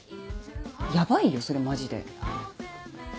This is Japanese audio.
ヤバいよそれマジで。